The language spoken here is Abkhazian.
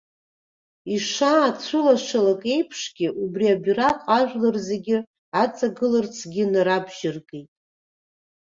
Ишаацәылашалак еиԥшгьы убри абираҟ ажәлар зегьы аҵагыларцгьы нарабжьыргеит.